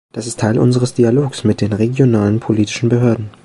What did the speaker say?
Das ist Teil unseres Dialogs mit den regionalen politischen Behörden.